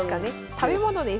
食べ物です。